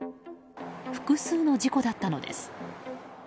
複数の事故だったのです。